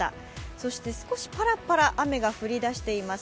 そして少しぱらぱら雨が降り出しています。